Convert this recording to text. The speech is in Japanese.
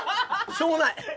しょうもない。